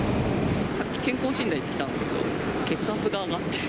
さっき、健康診断行ってきたんですけれども、血圧が上がって。